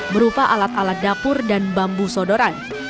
berupa alat alat dapur dan bambu sodoran